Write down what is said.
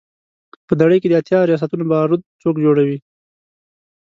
په نړۍ کې د اتیا ریاستونو بارود څوک جوړوي.